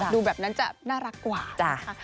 ดูแบบนั้นจะน่ารักกว่า